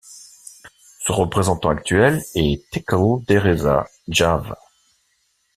Son représentant actuel est Tekle Deresa Jawe.